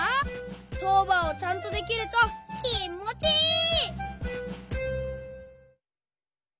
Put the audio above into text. とうばんをちゃんとできるときもちいい！